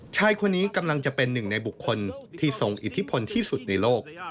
ชายคนนี้กำลังจะเป็นหนึ่งในบุคคลที่ทรงอิทธิพลที่สุดในโลก